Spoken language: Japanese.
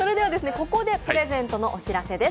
ここでプレゼントのお知らせです。